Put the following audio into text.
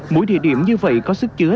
mỗi địa điểm như vậy có sức chứa